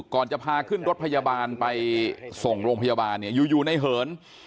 ก่อนจะพาขึ้นรถพยาบาลไปส่งโรงพยาบาลเนี่ยอยู่ในเหิน